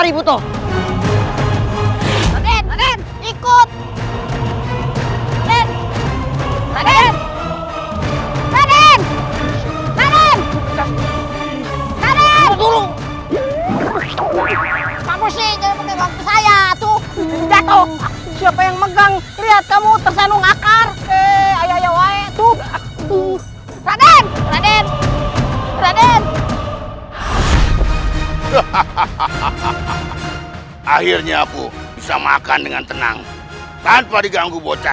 kita harus menyelamatkan ibunda